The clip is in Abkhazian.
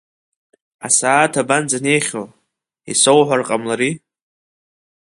Асааҭ абанӡанеихьоу, исоуҳәар ҟамлари?